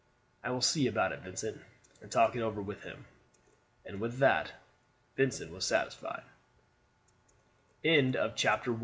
"I will see about it, Vincent, and talk it over with him." And with that Vincent was satisfied. CHAPTER II.